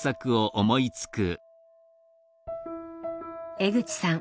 江口さん